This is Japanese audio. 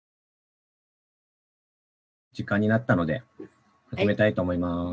時間になったので始めたいと思います。